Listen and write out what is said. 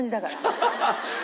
ハハハハ！